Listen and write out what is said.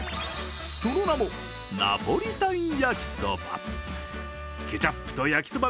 その名も、ナポリタン焼きそば。